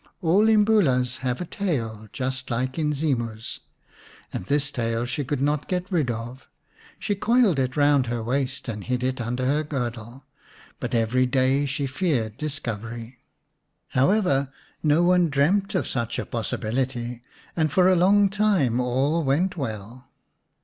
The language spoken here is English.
All Imbulas have a tail, just like Inzimus, and this tail she could not get rid of. She coiled it round her waist and hid it under her girdle, but every day she feared discovery. However, no one dreamt of such a possibility, and for a long time all went well.